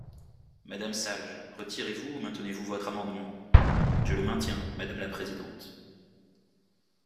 Madame Sage, retirez-vous ou maintenez-vous votre amendement ? Je le maintiens, madame la présidente.